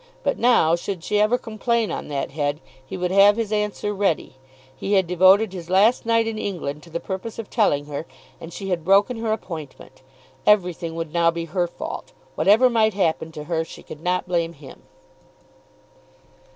But now, should she ever complain on that head he would have his answer ready. He had devoted his last night in England to the purpose of telling her, and she had broken her appointment. Everything would now be her fault. Whatever might happen to her she could not blame him.